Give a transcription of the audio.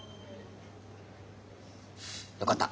よかった。